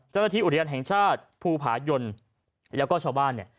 เจ้าหน้าที่อุทยานแห่งชาติภูผายนแล้วก็ชาวบ้านเนี่ย